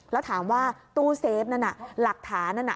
แล้วถามว่าตู้เซฟนั้นหลักฐานนั่นน่ะ